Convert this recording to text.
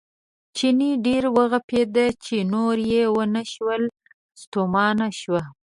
چیني ډېر وغپېد چې نور یې ونه شول ستومانه شو.